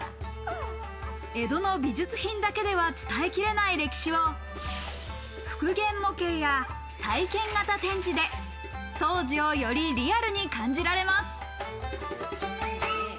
江戸の美術品だけでは伝えきれない歴史を復元模型や体験型展示で当時をよりリアルに感じられます。